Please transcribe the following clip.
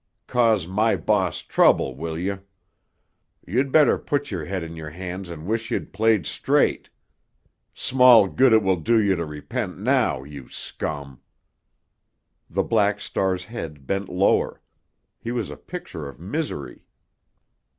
Cause my boss trouble, will you? You'd better put your head in your hands and wish you'd played straight! Small good it will do you to repent now, you scum!" The Black Star's head bent lower; he was a picture of misery.